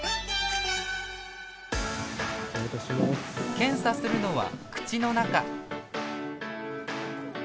検査するのは口の中。